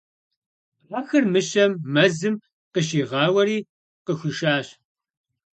Ахэр мыщэм мэзым къыщигъауэри къыхуишащ.